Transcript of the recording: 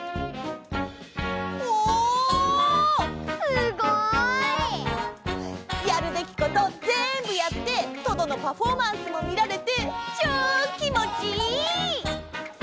すごい！やるべきことぜんぶやってトドのパフォーマンスもみられてちょうきもちいい！